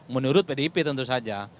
menurut pdp tentu saja